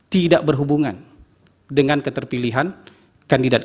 tidak berhubungan dengan keterpilihan kandidat